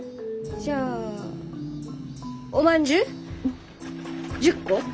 じゃあおまんじゅう１０個。